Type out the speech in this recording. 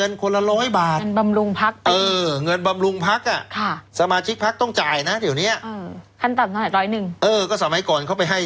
เดี๋ยวเนี้ยเออคันต่ำสำหรับร้อยหนึ่งเออก็สมัยก่อนเขาไปให้